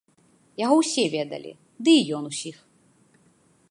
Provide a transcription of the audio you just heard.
Яго ўсе ведалі, ды і ён усіх.